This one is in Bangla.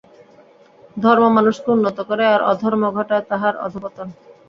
ধর্ম মানুষকে উন্নত করে, আর অধর্ম ঘটায় তাহার অধঃপতন।